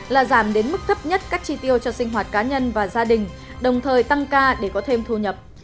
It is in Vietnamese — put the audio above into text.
là giảm đến mức thấp nhất các chi tiêu cho sinh hoạt cá nhân và gia đình đồng thời tăng ca để có thêm thu nhập